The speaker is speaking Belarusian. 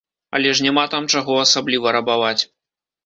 Але ж няма там чаго асабліва рабаваць.